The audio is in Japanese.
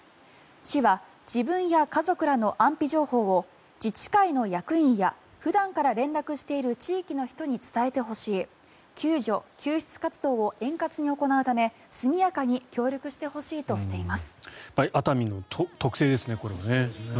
市は自分や家族らの安否情報を自治会の役員や普段から連絡している地域の人に伝えてほしい救助・救出活動を円滑に行うため速やかに協力してほしいとしています。